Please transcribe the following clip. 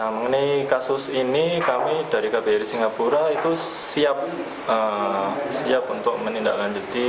mengenai kasus ini kami dari kbri singapura itu siap untuk menindaklanjuti